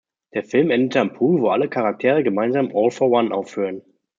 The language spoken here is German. Der Film endet am Pool, wo alle Charaktere gemeinsam "All For One" aufführen.